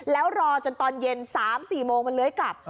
แล้วรอจนตอนเย็น๓๔โมงมันเลื้อยกลับ